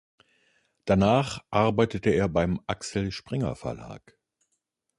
Danach arbeitete er beim Axel Springer Verlag.